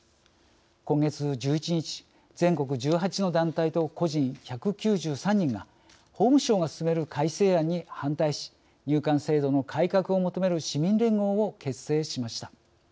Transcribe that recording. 今月１１日全国１８の団体と個人１９３人が法務省が進める改正案に反対し入管制度の改革を求める市民連合を結成しました。